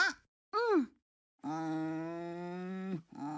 うん。